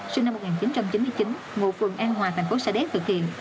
sinh năm một nghìn chín trăm chín mươi chín ngụ phường an hòa thành phố sa đéc thực hiện